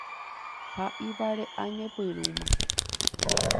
Ha ivare'añepyrũma.